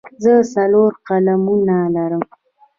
زه څلور قلمونه لرم.